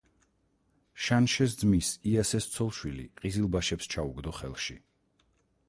შანშეს ძმის იასეს ცოლ-შვილი ყიზილბაშებს ჩაუგდო ხელში.